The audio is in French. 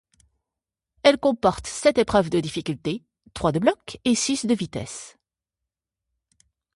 Elle comporte sept épreuves de difficulté, trois de bloc et six de vitesse.